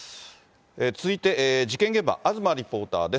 続いて事件現場、東リポーターです。